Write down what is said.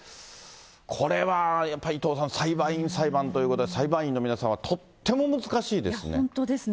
これはやっぱり、伊藤さん、裁判員裁判ということで、裁判員の皆さんはとっても難しいですね。